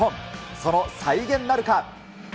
その再現なるか。